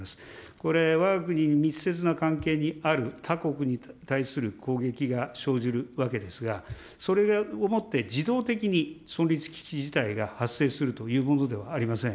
これ、わが国に密接な関係にある他国に対する攻撃が生じるわけですが、それをもって、自動的に存立危機事態が発生するというものではありません。